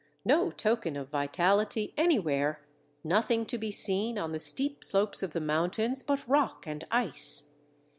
No token of vitality anywhere, nothing to be seen on the steep slopes of the mountains but rock and ice....